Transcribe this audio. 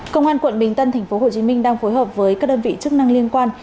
công an quận bình tân tp hcm đang phối hợp với các đơn vị chức năng liên quan